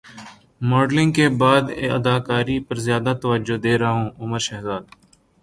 modelling کے بعد اداکاری پر زیادہ توجہ دے رہا ہوں عمر شہزاد